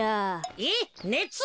えっねつ！？